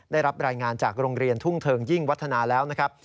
ได้รับรายงานจากโรงเรียนทุ่งเทิงยิ่งวัฒนาแล้วนะครับ